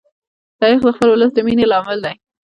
تاریخ د خپل ولس د مینې لامل دی.